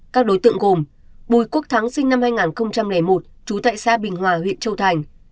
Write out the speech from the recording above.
các đối tượng gồm bùi quốc thắng sinh năm hai nghìn một trú tại xã bình hòa huyện châu thành